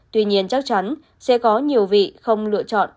tuy nhiên chắc chắn sẽ có nhiều vị không lựa chọn